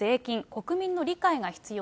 国民の理解が必要。